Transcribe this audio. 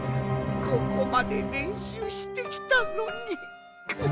ここまでれんしゅうしてきたのに。